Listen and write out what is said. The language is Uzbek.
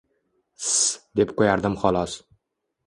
Ssss deb qo‘yardim xolos.